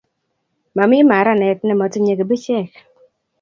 momi maranet nemotinyei kibichek